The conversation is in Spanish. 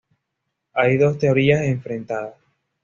Hay dos teorías enfrentadas.